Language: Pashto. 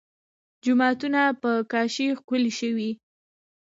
جوماتونه په کاشي ښکلي شوي.